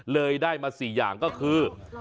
เลยได้มา๔อย่างก็คือ